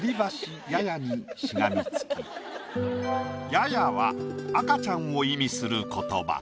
「やや」は赤ちゃんを意味する言葉。